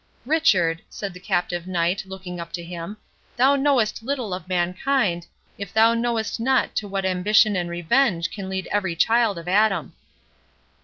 "Richard," said the captive Knight, looking up to him, "thou knowest little of mankind, if thou knowest not to what ambition and revenge can lead every child of Adam."